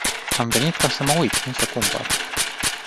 Am venit ca să mă uit, nu să cumpăr.